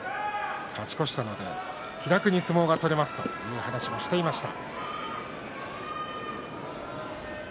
勝ち越したので気楽に相撲が取れますという話もしていました。